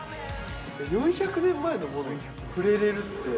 ４００年前のものに触れれるって。